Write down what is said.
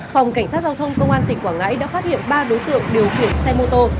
phòng cảnh sát giao thông công an tỉnh quảng ngãi đã phát hiện ba đối tượng điều khiển xe mô tô